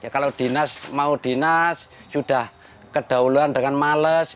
kalau dinas mau dinas sudah kedaulan dengan males